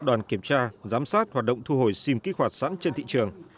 đoàn kiểm tra giám sát hoạt động thu hồi sim kích hoạt sẵn trên thị trường